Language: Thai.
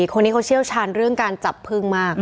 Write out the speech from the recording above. คนนี้เขาเชี่ยวชาญเรื่องการจับพึ่งมาก